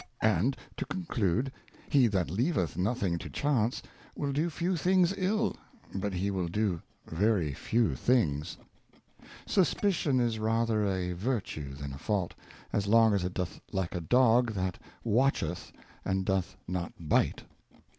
And, to conclude. He that leaveth nothing to Chance will do few things ill, but he will do veiy few things. Suspicion is rather a Virtue than a Fault, as long as it doth like a Dog that watcheth, and doth not bite.